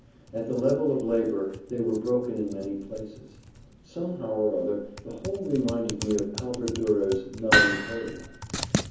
At the level of labour they were broken in many places. Somehow or other, the whole reminded me of Albert Durer's "Melencholia."